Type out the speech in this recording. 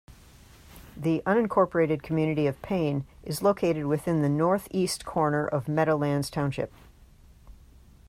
The unincorporated community of Payne is located within the northeast corner of Meadowlands Township.